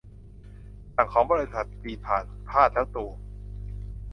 สั่งของบริษัทจีนผ่าน พลาดแล้วตรู